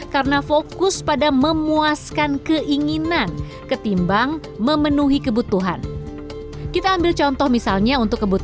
karena fokus pada memuaskan keinginan ketimbang memenuhi kebutuhan kita ambil contoh misalnya untuk